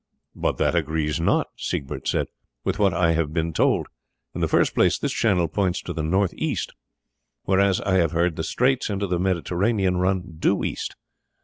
"But that agrees not," Siegbert said, "with what I have been told. In the first place, this channel points to the northeast, whereas, as I have heard, the straits into the Mediterranean run due east.